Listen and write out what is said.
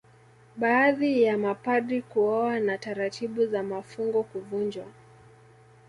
Baadhi ya mapadri kuoa na taratibu za mafungo kuvunjwa